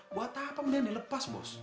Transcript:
buat apa kemudian dilepas bos